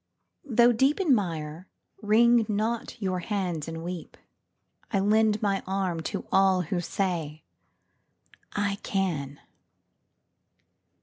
Though deep in mire, wring not your hands and weep; I lend my arm to all who say "I can!"